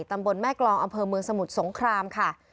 ตำบลแม่กรองอำเภอเมืองสมุทรสงครามค่ะ